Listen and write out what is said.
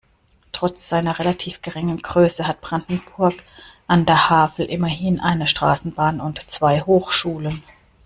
Trotz seiner relativ geringen Größe hat Brandenburg an der Havel immerhin eine Straßenbahn und zwei Hochschulen.